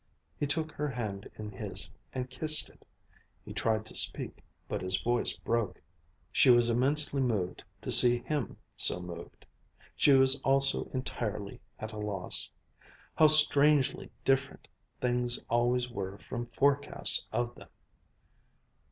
He took her hand in his and kissed it. He tried to speak, but his voice broke. She was immensely moved to see him so moved. She was also entirely at a loss. How strangely different things always were from forecasts of them!